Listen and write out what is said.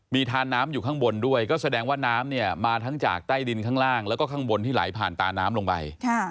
มีทานน้ำอยู่ข้างบนด้วยก็แสดงว่าน้ำเนี่ยมาทั้งจากใต้ดินข้างล่างแล้วก็ข้างบนที่ไหลผ่านตาน้ำลงไป